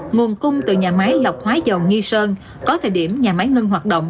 nguồn cung từ nhà máy lọc hóa dầu nghi sơn có thời điểm nhà máy ngưng hoạt động